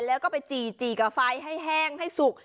แล้วก็ไปจี่กับไฟให้แห้งให้สุก